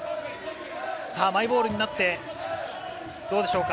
マイボールになってどうでしょうか？